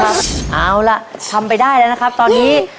เอาล่ะทำไปได้แล้วนะครับตอนนี้